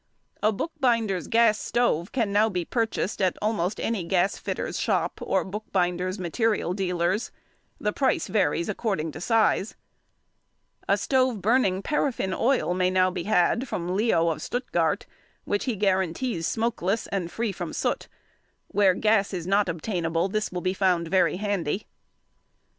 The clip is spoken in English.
A bookbinder's gas stove can now be purchased at almost any gas fitter's shop or bookbinders' material dealers. The price varies according to size. [Illustration: Leo's Oil Finishing Stove.] A stove burning paraffin oil may now be had from Leo of |121| Stuttgart, which he guarantees smokeless and free from soot; where gas is not obtainable, this will be found very handy.